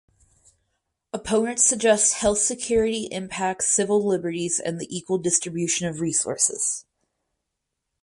Opponents suggest health security impacts civil liberties and the equal distribution of resources.